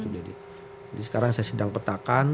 jadi sekarang saya sedang petakan